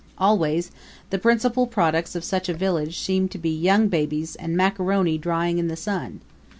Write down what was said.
Always the principal products of such a village seemed to be young babies and macaroni drying in the sun.